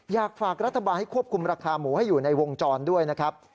อยากฝากรัฐบาลให้ควบคุมราคาหมูให้อยู่ในวงจรด้วยนะครับ